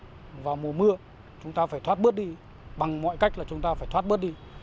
thậm chí là chúng ta thừa vào mùa mưa chúng ta phải thoát bớt đi bằng mọi cách là chúng ta phải thoát bớt đi